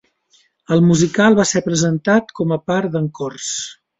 El musical va ser presentat com a part d'"Encores!".